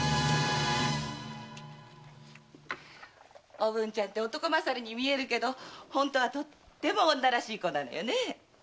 おぶんちゃんて男勝りに見えるけど本当はとっても女らしい子なんだよねえ。